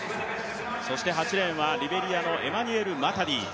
そして８レーンのリベリアのエマニュエル・マタディ。